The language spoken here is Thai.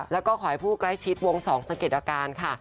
แล้วก็ขอให้ผู้ใกล้ชิดวงสองสะเก็ดอาการค่ะ